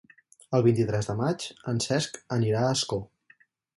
El vint-i-tres de maig en Cesc anirà a Ascó.